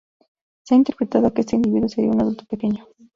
Se ha interpretado que este individuo sería un adulto pequeño.